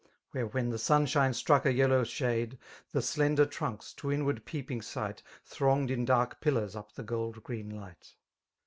Where when the sunshine struck a yellow shade* The slender trunks, to inward peeping sight. Thronged in dark pillars up the gold green light.